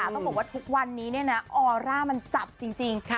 ต้องบอกว่าทุกวันนี้ออร่ามันจับจริง